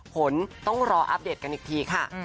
ผลต้องรออัปเดตกันอีกทีค่ะ